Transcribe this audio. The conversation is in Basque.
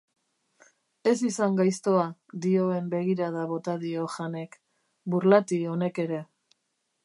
Ez izan gaiztoa dioen begirada bota dio Hahnek, burlati honek ere.